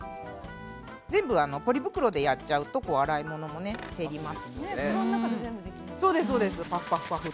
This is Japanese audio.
全部、ポリ袋でやっちゃうと洗い物も減りますね。